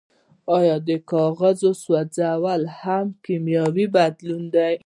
ایا د کاغذ سوځیدل هم یو کیمیاوي بدلون دی